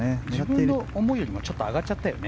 自分が思うよりもちょっと上がっちゃったよね。